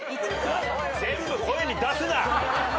全部声に出すな。